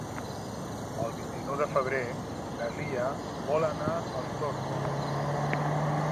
El vint-i-nou de febrer na Lia vol anar als Torms.